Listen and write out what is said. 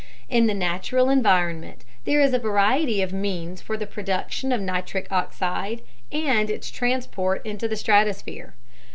In the natural environment, there is a variety of means for the production of NO and its transport into the stratosphere.